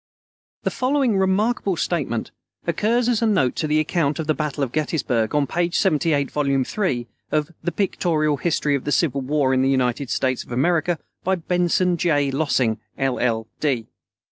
The following remarkable statement occurs as a note to the account of the battle of Gettysburg, on page 78, volume III, of "The Pictorial History of the Civil War in the United States of America, by Benson J. Lossing, LL. D."